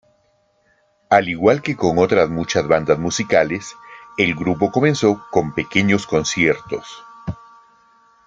Al igual que con otras muchas bandas musicales, el grupo comenzó con pequeños conciertos.